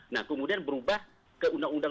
nah kemudian berubah ke undang undang